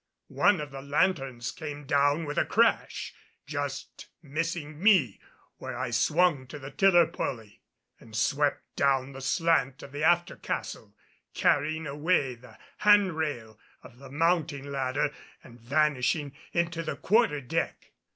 One of the lanthorns came down with a crash, just missing me where I swung to the tiller polly, and swept down the slant of the after castle, carrying away the hand rail of the mounting ladder and vanishing into the quarter deck.